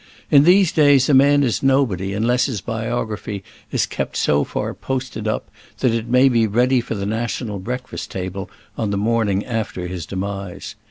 In these days a man is nobody unless his biography is kept so far posted up that it may be ready for the national breakfast table on the morning after his demise.